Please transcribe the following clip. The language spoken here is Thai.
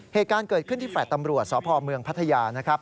เหตุการณ์เกิดขึ้นที่แฟลต์ตำรวจสพเมืองพัทยานะครับ